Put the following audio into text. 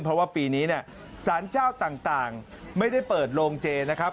เพราะว่าปีนี้เนี่ยสารเจ้าต่างไม่ได้เปิดโรงเจนะครับ